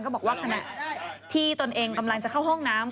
บอกว่าขณะที่ตนเองกำลังจะเข้าห้องน้ำ